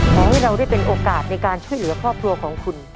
ขอให้เราได้เป็นโอกาสในการช่วยเหลือครอบครัวของคุณ